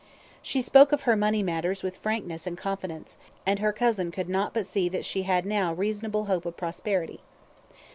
She spoke of her money matters with frankness and confidence, and her cousin could not but see that she had now reasonable hope of prosperity.